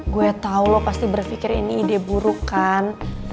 gue tau lo pasti berpikir ini ide buruk kan